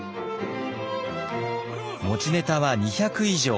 持ちネタは２００以上。